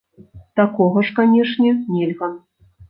Такога ж, канечне, нельга!